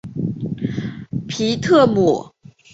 皮特姆。